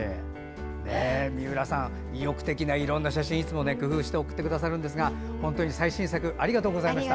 三浦さんは魅力的ないろんな写真を工夫して送ってくださるんですが最新作ありがとうございました。